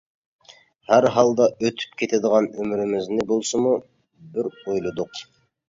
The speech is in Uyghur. ھەر ھالدا ئۆتۈپ كېتىدىغان ئۆمرىمىزنى بولسىمۇ بىر ئويلىدۇق.